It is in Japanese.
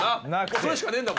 それしかねえんだもんな。